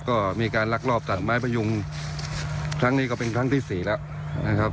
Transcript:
ก็มีการลักลอบตัดไม้พยุงครั้งนี้ก็เป็นครั้งที่สี่แล้วนะครับ